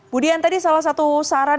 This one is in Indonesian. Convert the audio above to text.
budian tadi salah satu saran